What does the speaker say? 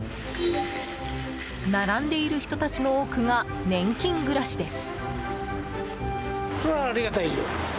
並んでいる人たちの多くが年金暮らしです。